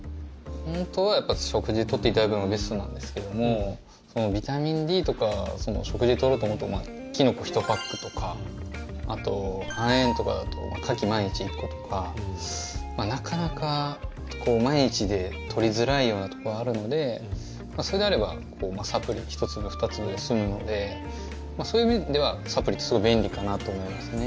本当は食事を取っていただくのがベストなんですけどもビタミンＤとか食事を取ろうと思うとキノコ、１パックとかあと亜鉛とかだとカキ毎日１個とかなかなか毎日で取りづらいようなところがあるのでそれであればサプリ１粒、２粒で済むのでそういう意味ではサプリってすごい便利かなと思いますね。